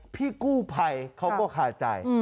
พี่กู้ภัยเขาก็คาใจ